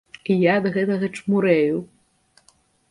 Я ад гэтага чмурэю.